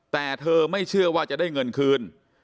แต่เธอไม่เชื่อว่าจะได้เงินคืน